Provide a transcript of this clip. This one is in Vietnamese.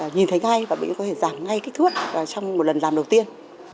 nhìn thấy ngay và bệnh nhân có thể giảm ngay kích thước trong một lần làm đầu tiên